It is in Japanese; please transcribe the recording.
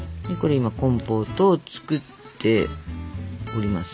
今コンポートを作っております。